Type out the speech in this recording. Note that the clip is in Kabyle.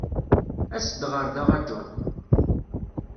As-d ɣer da a John.